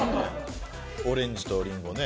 オレンジとリンゴね。